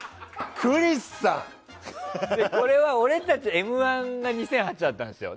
これは俺たち「Ｍ‐１」が２００８年だったんですよ。